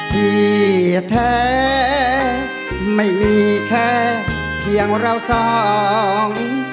ที่แท้ไม่มีแค่เพียงเราสอง